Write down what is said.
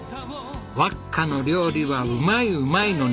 わっかの料理はうまいうまいの二重丸！